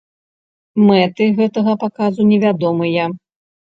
Мэты гэтага паказу невядомыя.